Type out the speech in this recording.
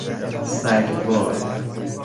سگوار